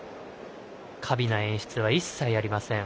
華美な演出は一切ありません。